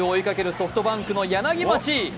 ソフトバンクの柳町。